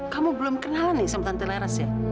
kamu belum kenalan nih sama tante laras ya